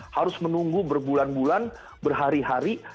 harus menunggu berbulan bulan berhari hari